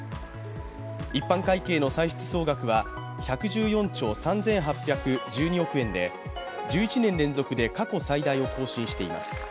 一般会計の歳出総額は１１４兆３８１２億円で１１年連続で過去最大を更新しています。